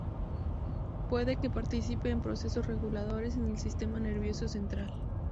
Puede que participe en procesos reguladores en el sistema nervioso central.